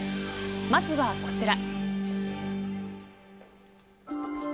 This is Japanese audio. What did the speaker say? まずはこちら。